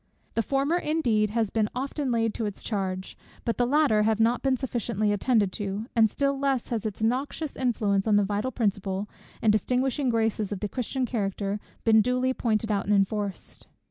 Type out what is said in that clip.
The former indeed has been often laid to its charge, but the latter have not been sufficiently attended to; and still less has its noxious influence on the vital principle, and distinguishing graces of the Christian character, been duly pointed out and enforced.